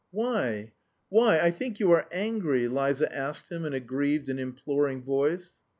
"Why? Why? I think you are angry!" Liza asked him in a grieved and imploring voice.